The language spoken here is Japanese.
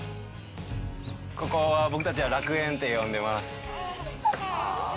ここは僕たちが楽園って呼んでます。